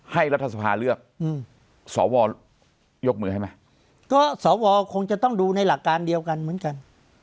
รัฐสภาเลือกสวยกมือให้ไหมก็สวคงจะต้องดูในหลักการเดียวกันเหมือนกัน